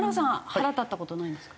腹立った事ないんですか？